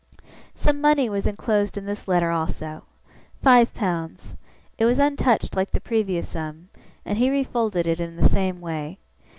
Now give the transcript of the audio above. Some money was enclosed in this letter also. Five pounds. It was untouched like the previous sum, and he refolded it in the same way.